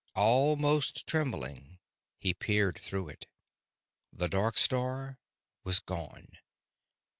Almost trembling, he peered through it. The dark star was gone.